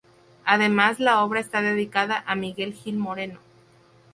Además la obra está dedicada a Miguel Gil Moreno.